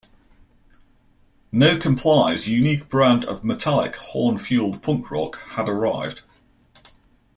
NoComply's unique brand of "metallic, horn fueled punk rock" had arrived.